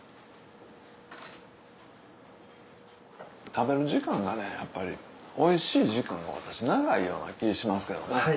食べる時間がねやっぱりおいしい時間が私長いような気しますけどね。